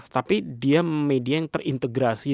tapi dia media yang terintegrasi